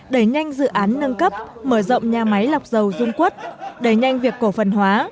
đẩy nhanh dự án nâng cấp mở rộng nhà máy lọc dầu dung quất đẩy nhanh việc cổ phần hóa